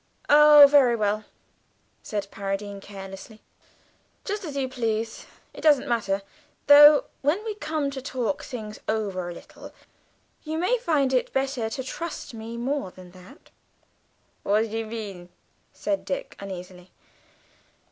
"Oh, very well," said Paradine carelessly, "just as you please, it doesn't matter; though when we come to talk things over a little, you may find it better to trust me more than that." "Wha' do you mean?" said Dick uneasily.